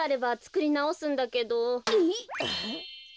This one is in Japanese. えっ。